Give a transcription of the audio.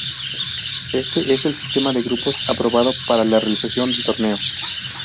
Este es el sistema de grupos aprobado para la realización del torneo.